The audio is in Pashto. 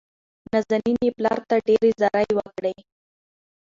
نازنين يې پلار ته ډېرې زارۍ وکړې.